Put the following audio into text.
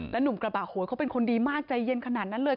หนุ่มกระบะโหยเขาเป็นคนดีมากใจเย็นขนาดนั้นเลย